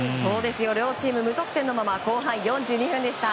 両チーム無得点のまま後半４２分でした。